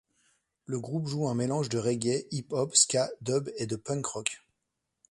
Le groupe joue un mélange de reggae, hip-hop, ska, dub et de punk rock.